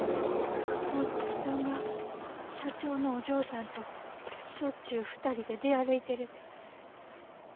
大月さんが社長のお嬢さんとしょっちゅう２人で出歩いてるて。